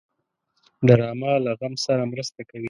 ډرامه له غم سره مرسته کوي